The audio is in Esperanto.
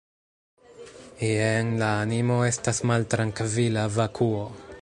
Ie en la animo estas maltrankvila vakuo.